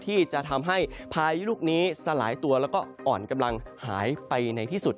ที่จะทำให้พายุลูกนี้สลายตัวแล้วก็อ่อนกำลังหายไปในที่สุด